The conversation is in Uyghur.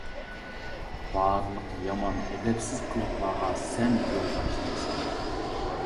بارلىق يامان، ئەدەپسىز قىلىقلارغا سەن يول باشلايسەن.